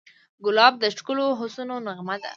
ګلاب د ښکلو حسونو نغمه ده.